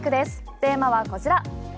テーマはこちら。